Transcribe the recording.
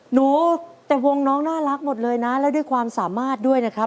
หนูแต่วงน้องน่ารักหมดเลยนะแล้วด้วยความสามารถด้วยนะครับ